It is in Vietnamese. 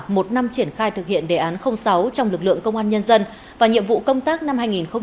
một năm triển khai thực hiện đề án sáu trong lực lượng công an nhân dân và nhiệm vụ công tác năm hai nghìn hai mươi